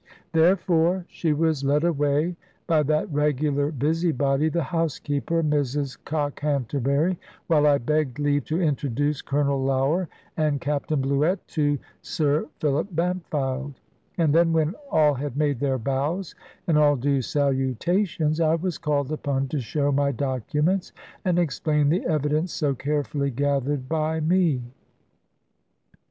Therefore she was led away by that regular busybody the housekeeper, Mrs Cockhanterbury; while I begged leave to introduce Colonel Lougher and Captain Bluett to Sir Philip Bampfylde. And then when all had made their bows and all due salutations, I was called upon to show my documents and explain the evidence so carefully gathered by me.